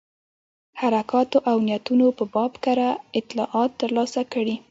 حرکاتو او نیتونو په باب کره اطلاعات ترلاسه کړي.